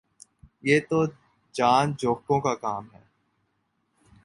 یہ تو جان جو کھوں کا کام ہے